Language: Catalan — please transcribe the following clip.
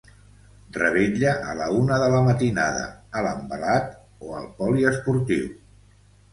Revetlla a la una de la matinada a l'envelat o al poliesportiu.